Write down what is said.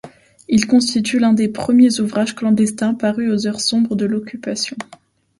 Il constitue l'un des premiers ouvrages clandestins parus aux heures sombres de l'Occupation.